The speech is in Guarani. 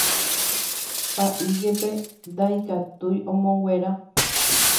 Pa'i jepe ndaikatúi omonguera.